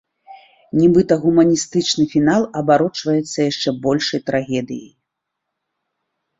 Нібыта гуманістычны фінал абарочвацца яшчэ большай трагедыяй.